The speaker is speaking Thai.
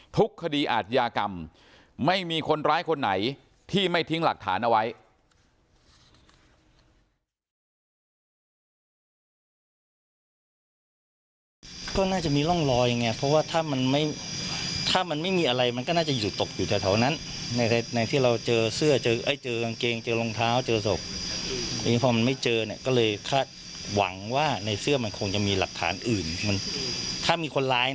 คดีอาทยากรรมไม่มีคนร้ายคนไหนที่ไม่ทิ้งหลักฐานเอาไว้